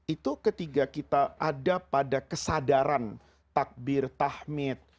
itu ketika kita ada pada kesadaran takbir tahmid